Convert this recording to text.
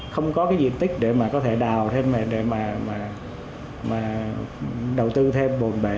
không có cái diện tích để mà có thể đào thêm để mà đầu tư thêm bồn bệ